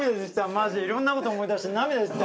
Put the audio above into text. マジいろんなこと思い出して涙出てきた。